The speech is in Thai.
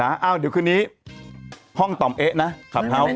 อ่าเดี๋ยวคือนี้ห้องตอมเอ๊ะนะขับเท้า